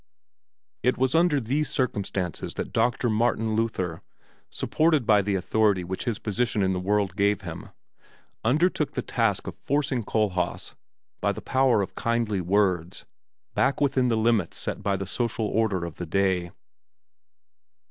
It was under these circumstances that Doctor Martin Luther, supported by the authority which his position in the world gave him, undertook the task of forcing Kohlhaas, by the power of kindly words, back within the limits set by the social order of the day.